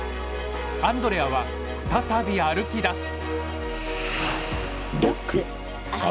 アンドレアは再び歩きだす。